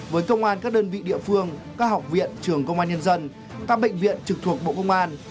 với công an các đơn vị địa phương các học viện trường công an nhân dân các bệnh viện trực thuộc bộ công an